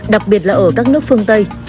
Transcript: đặc biệt là ở các nước phương tây